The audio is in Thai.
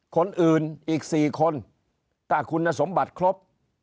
คนอื่นอีก๔คนถ้าคุณสมบัติครบ